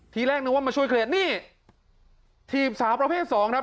ทีแรกนึกว่ามาช่วยเคลียร์นี่ถีบสาวประเภทสองครับ